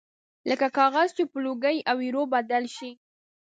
لکه کاغذ چې په لوګي او ایرو بدل شي